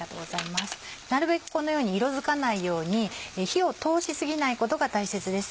なるべくこのように色づかないように火を通し過ぎないことが大切です。